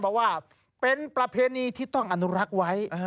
เพราะว่าเป็นประเพณีที่ต้องอนุรักษ์ไว้